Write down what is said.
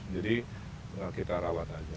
jadi kita rawat aja